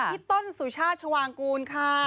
พี่ต้นสุชาติชวางกูลค่ะ